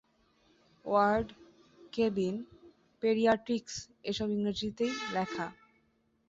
Word, cabin, paediatrics এসব ইংরেজিতেই লেখা।